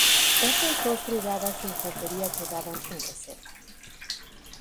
Otras dos brigadas de infantería quedaban en reserva.